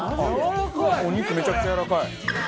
お肉めちゃくちゃやわらかい。